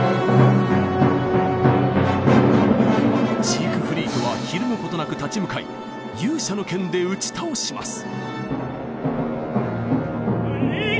ジークフリートはひるむことなく立ち向かい勇者の剣で打ち倒します。